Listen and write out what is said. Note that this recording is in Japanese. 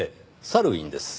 サルウィンです。